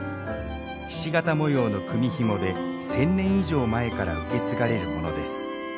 ひし形模様の組みひもで１，０００年以上前から受け継がれるものです。